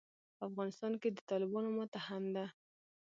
په افغانستان کې د طالبانو ماته هم ده.